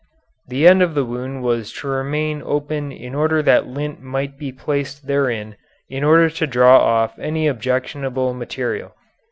The end of the wound was to remain open in order that lint might be placed therein in order to draw off any objectionable material.